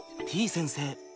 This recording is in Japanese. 先生。